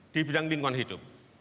di bidang lingkungan hidup